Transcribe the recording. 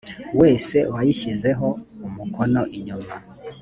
wese wayishyizeho umukono inyuma